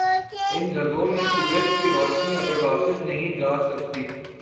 ان جگہوں میں سورج کی روشنی آکر واپس نہیں جاسکتی ۔